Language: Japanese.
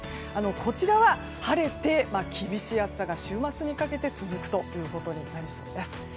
こちらは、晴れて厳しい暑さが週末にかけて続くということになりそうです。